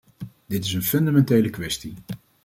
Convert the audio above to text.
Dit is een fundamentele kwestie.